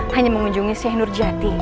hanya mengunjungi syekh nurjati